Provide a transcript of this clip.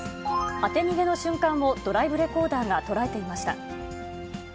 当て逃げの瞬間をドライブレコーダーが捉えていました。